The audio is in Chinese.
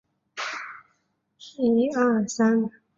热诺人口变化图示